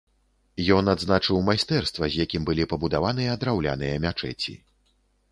Ён адзначыў майстэрства, з якім былі пабудаваныя драўляныя мячэці.